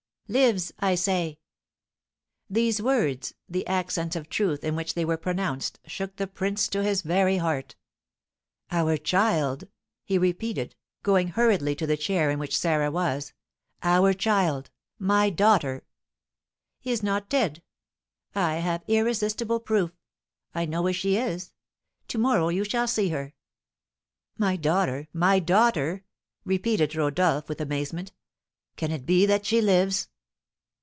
"Lives, I say!" These words, the accents of truth in which they were pronounced, shook the prince to his very heart. "Our child!" he repeated, going hurriedly to the chair in which Sarah was, "our child my daughter!" "Is not dead, I have irresistible proof; I know where she is; to morrow you shall see her." "My daughter! My daughter!" repeated Rodolph, with amazement. "Can it be that she lives?"